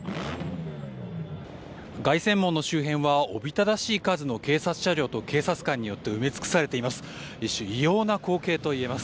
凱旋門の周辺はおびただしい数の警察車両と、警察官によって埋め尽くされています。